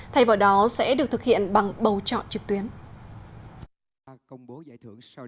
thay vào đó sẽ được thực hiện bằng bầu chọn trực tuyến